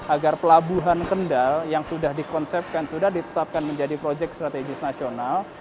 agar pelabuhan kendal yang sudah dikonsepkan sudah ditetapkan menjadi proyek strategis nasional